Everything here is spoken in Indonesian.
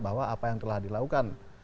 bahwa apa yang telah dilakukan